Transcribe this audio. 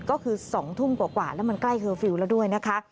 ก็คือ๒ทุ่มกว่าแล้วมันใกล้เคอร์ฟิลล์แล้วด้วยนะคะ